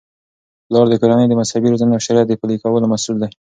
پلار د کورنی د مذهبي روزنې او د شریعت د پلي کولو مسؤل دی.